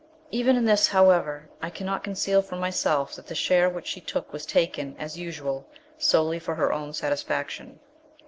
Even in this, however, I cannot conceal from myself that the share which she took was taken, as usual, solely for her own satisfaction.